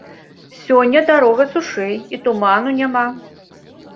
Сёння дарога сушэй, і туману няма.